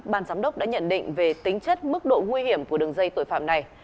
ban giám đốc đã nhận định về tính chất mức độ nguy hiểm của đường dây tội phạm này